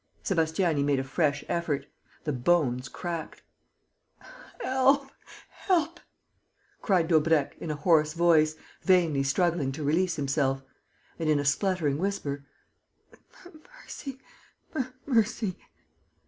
Sébastiani made a fresh effort. The bones cracked. "Help! Help!" cried Daubrecq, in a hoarse voice, vainly struggling to release himself. And, in a spluttering whisper, "Mercy ... mercy."